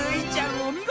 おみごと。